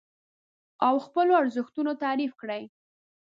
او خپل ارزښتونه تعريف کړئ.